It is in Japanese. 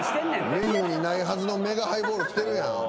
メニューにないはずのメガハイボール来てるやん。